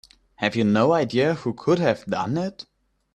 Have you no idea who could have done it?